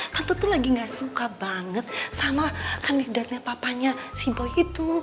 tante tuh lagi nggak suka banget sama kandidatnya papanya si boy itu